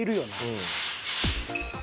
うん。